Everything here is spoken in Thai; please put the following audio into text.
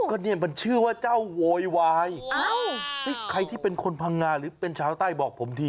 ก็เนี่ยมันชื่อว่าเจ้าโวยวายใครที่เป็นคนพังงาหรือเป็นชาวใต้บอกผมที